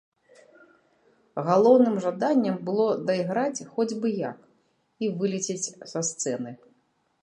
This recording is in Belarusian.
Галоўным жаданнем было дайграць хоць бы як і вылецець са сцэны.